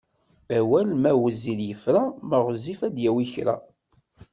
Awal ma wezzil yefra ma ɣezzif ad d-yawi kra.